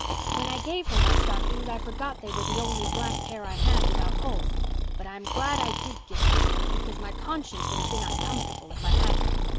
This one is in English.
When I gave her my stockings I forgot they were the only black pair I had without holes, but I am glad I did give them to her, because my conscience would have been uncomfortable if I hadn't.